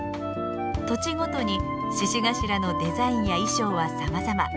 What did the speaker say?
土地ごとに鹿頭のデザインや衣装はさまざま。